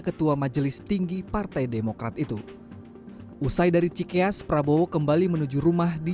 ketua majelis tinggi partai demokrat itu usai dari cikeas prabowo kembali menuju rumah di